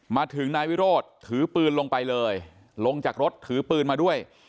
มาถึงนายวิโรธถือปืนลงไปเลยลงจากรถถือปืนมาด้วย